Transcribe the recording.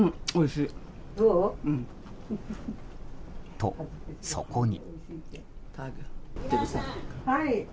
と、そこに。